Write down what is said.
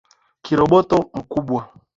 kiroboto mkubwa